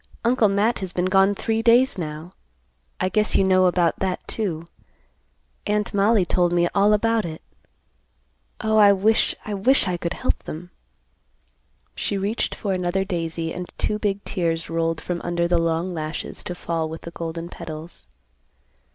Uncle Matt has been gone three days now. I guess you know about that, too. Aunt Mollie told me all about it. Oh, I wish, I wish I could help them." She reached for another daisy and two big tears rolled from under the long lashes to fall with the golden petals.